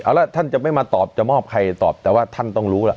เอาละท่านจะไม่มาตอบจะมอบใครตอบแต่ว่าท่านต้องรู้ล่ะ